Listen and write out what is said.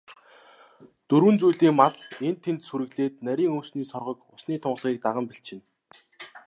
Дөрвөн зүйлийн мал энд тэнд сүрэглээд, нарийн өвсний соргог, усны тунгалгийг даган бэлчинэ.